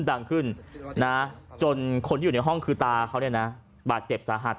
ดังขึ้นนะจนคนที่อยู่ในห้องคือตาเขาเนี่ยนะบาดเจ็บสาหัส